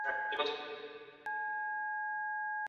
米尔斯也十分关注苏联。